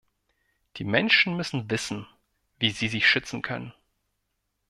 Die Menschen müssen wissen, wie sie sich schützen können.